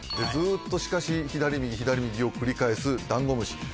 ずっとしかし左右左右を繰り返すダンゴムシ